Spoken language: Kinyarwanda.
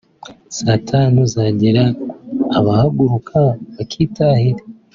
saa tanu zagera bagahaguruka bakitahira